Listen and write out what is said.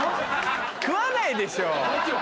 食わないでしょ！